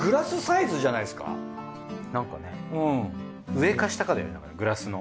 上か下かだよねグラスの。